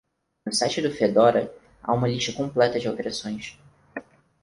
No site do Fedora, há uma lista completa de alterações.